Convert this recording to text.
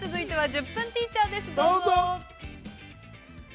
◆「１０分ティーチャー」